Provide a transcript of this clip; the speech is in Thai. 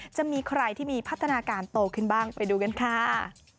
จะมีใครที่มีพัฒนาการโตขึ้นบ้างไปดูกันค่ะ